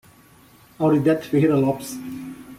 Auridete Ferreira Lopes